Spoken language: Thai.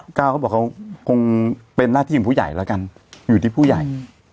ก้าวเขาบอกเขาคงเป็นหน้าที่ของผู้ใหญ่แล้วกันอยู่ที่ผู้ใหญ่